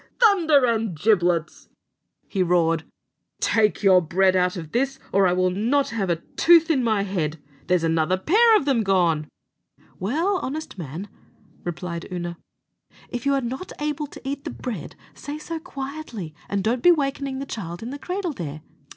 "Thunder and giblets!" he roared, "take your bread out of this, or I will not have a tooth in my head; there's another pair of them gone!" "Well, honest man," replied Oonagh, "if you're not able to eat the bread, say so quietly, and don't be wakening the child in the cradle there.